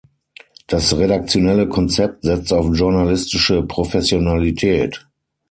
Das redaktionelle Konzept setzt auf journalistische Professionalität.